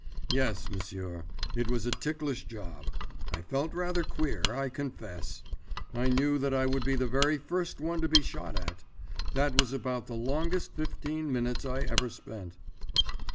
Yes, monsieur; it was a ticklish job; I felt rather queer, I confess. I knew that I would be the very first one to be shot at. That was about the longest fifteen minutes I ever spent.